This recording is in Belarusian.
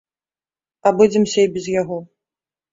Абыдземся і без яго.